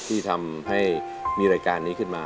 ที่ทำให้มีรายการนี้ขึ้นมา